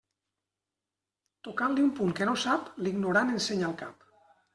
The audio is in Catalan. Tocant-li un punt que no sap, l'ignorant ensenya el cap.